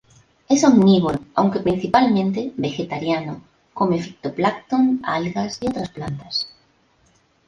Es omnívoro, aunque, principalmente, vegetariano: come fitoplancton, algas y otra plantas.